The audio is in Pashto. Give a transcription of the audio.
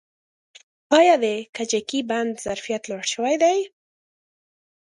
آیا د کجکي بند ظرفیت لوړ شوی دی؟